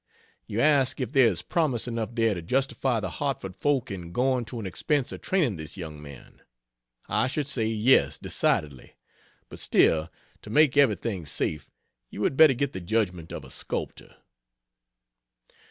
You ask if there is promise enough there to justify the Hartford folk in going to an expense of training this young man. I should say, yes, decidedly; but still, to make everything safe, you had better get the judgment of a sculptor."